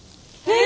え！